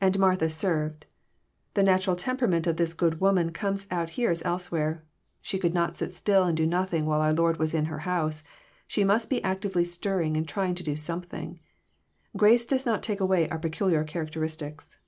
[And Martha served."] The natural temperament of this good woman comes out here as elsewhere. She could not sit still and do nothing while her Lord was in her house. She must be actively stirring and trying to do something. Grace does not take away our peculiar characteristics.